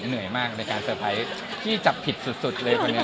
เหนื่อยมากในการเตอร์ไพรส์ที่จับผิดสุดเลยคนนี้